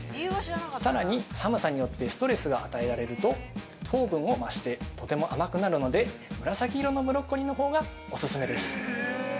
さらに、寒さによってストレスが与えられると糖分を増してとても甘くなるので紫色のブロッコリーのほうがお勧めです。